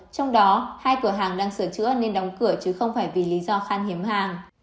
trong đó hai cửa hàng đang sửa chữa nên đóng cửa chứ không phải vì lý do khan hiếm hàng